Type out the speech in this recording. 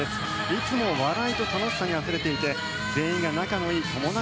いつも笑いと楽しさにあふれていて全員が仲の良い友達。